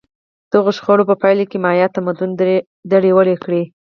دغو شخړو په پایله کې مایا تمدن دړې وړې کړ.